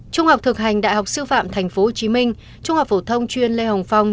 trung học thực hành đại học sư phạm tp hcm trung học phổ thông chuyên lê hồng phong